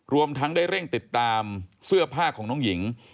รวมทั้งได้เร่งติดตามเสื้อผ้าของน้องหญิง